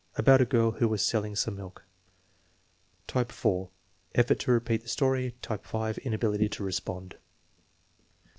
"About a girl who was selling some milk." Type (4), effort to repeat the story. Type (5), inability to respond.